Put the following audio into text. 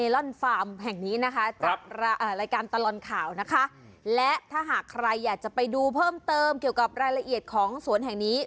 และถ้าหากใครอยากจะไปดูเพิ่มเติมเกี่ยวกับรายละเอียดของสวนแห่งนี้